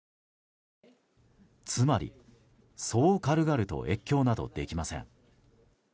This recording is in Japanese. つまり、そう軽々と越境などできません。